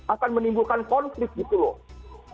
akan menimbulkan konflik gitu loh